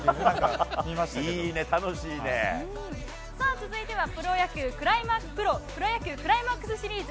続いてはプロ野球クライマックスシリーズ。